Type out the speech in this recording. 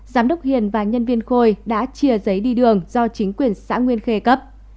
giám đốc hiền và nhân viên khôi đã chia giấy đi đường do chính quyền xã nguyên khê cấp